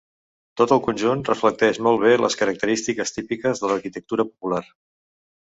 Tot el conjunt reflecteix molt bé les característiques típiques de l'arquitectura popular.